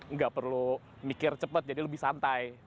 nggak perlu mikir cepet jadi lebih santai